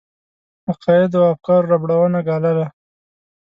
عقایدو او افکارو ربړونه ګالل.